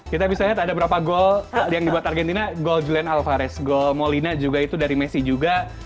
kita bisa lihat ada berapa gol yang dibuat argentina gol julian alvarez gol molina juga itu dari messi juga